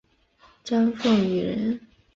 张凤翙人。